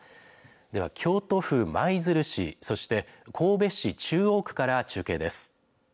では京都府舞鶴市、そして神戸市中央区から中継です。